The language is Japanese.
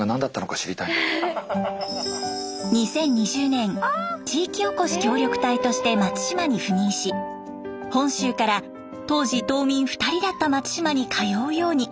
２０２０年地域おこし協力隊として松島に赴任し本州から当時島民２人だった松島に通うように。